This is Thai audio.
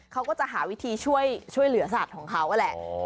เขาก็จะหาวิธีช่วยเหลือสัตว์ของเขาแหละ